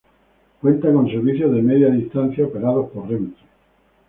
Cuenta con servicios de media distancia operados por Renfe.